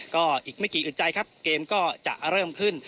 ก็อีกไม่กี่อึดใจครับเกมก็จะเริ่มขึ้น